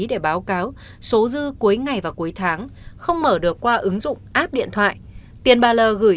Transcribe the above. để báo cáo số dư cuối ngày và cuối tháng không mở được qua ứng dụng app điện thoại tiền baler gửi